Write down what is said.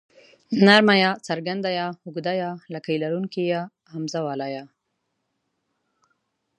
نرمه ی څرګنده ي اوږده ې لکۍ لرونکې ۍ همزه واله ئ